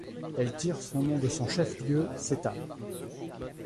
Elle tire son nom de son chef-lieu, Settat.